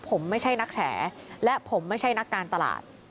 ผมไม่ใช่นักแฉและผมไม่ใช่นักการตลาด